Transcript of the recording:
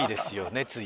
熱意